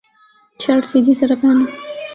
shirt سیدھی طرح پہنو